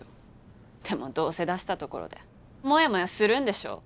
でもどうせ出したところでモヤモヤするんでしょ。